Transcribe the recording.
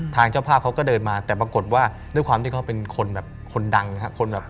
ทางเจ้าภาพเขาก็เดินมาแต่ปรากฏว่าด้วยความที่เขาเป็นคนแบบคนดังครับ